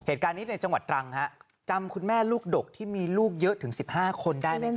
เหตุการณ์นี้ในจังหวัดตรังฮะจำคุณแม่ลูกดกที่มีลูกเยอะถึง๑๕คนได้ไหมครับ